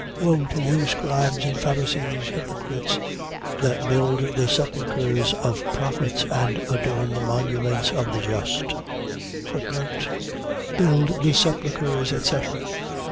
23:29. Woe to you, scribes and Pharisees, hypocrites, that build the sepulchres of the prophets and adorn the monuments of the just, Build the sepulchres, etc. ..